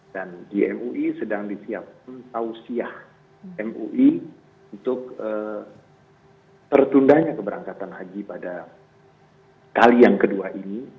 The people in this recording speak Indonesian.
dan di mui sedang disiapkan tausiah mui untuk tertundanya keberangkatan haji pada kali yang kedua ini